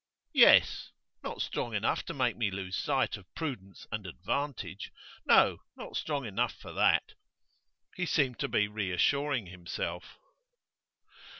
'Yes. Not strong enough to make me lose sight of prudence and advantage. No, not strong enough for that.' He seemed to be reassuring himself.